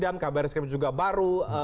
dan kabar skrim juga baru